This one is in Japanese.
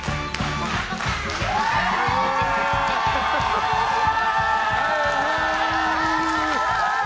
こんにちは。